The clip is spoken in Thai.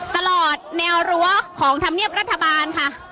ตลอดแนวรั้วของธรรมเนียบรัฐบาลค่ะ